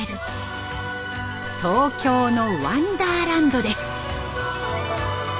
東京のワンダーランドです。